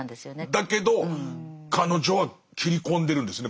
だけど彼女は切り込んでるんですね